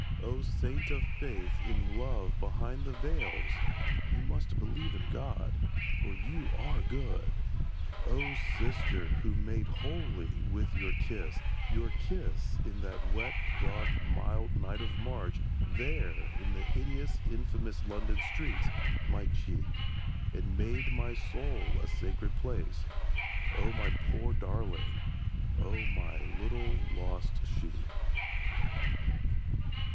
O saint of faith in love behind the veils, ("You must believe in God, for you are good!"), O sister who made holy with your kiss, Your kiss in that wet dark mild night of March There in the hideous infamous London streets My cheek, and made my soul a sacred place, O my poor darling, O my little lost sheep!